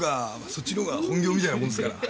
そっちのほうが本業みたいなもんですから。